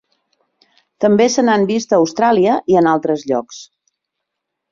També se n'han vist a Austràlia i en altres llocs.